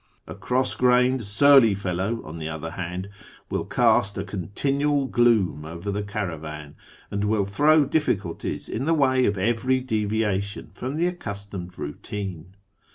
A cross grained, surly fellow, on the other hand, will cast a continual gloom over the caravan, and will throw difficulties in the way of every devia tion from the accustomed routine.